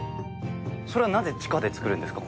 それはなぜ地下で作るんですか？